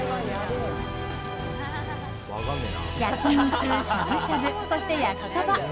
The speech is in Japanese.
焼き肉、しゃぶしゃぶそして、焼きそば。